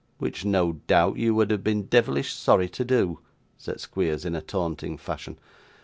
'Which no doubt you would have been devilish sorry to do,' said Squeers in a taunting fashion.